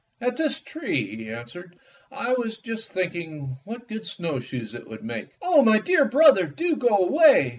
''At this tree,'' he answered. "I was just thinking what good snowshoes it would make." "Oh, my dear brother, do go away!"